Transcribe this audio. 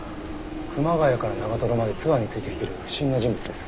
熊谷から長までツアーについてきてる不審な人物です。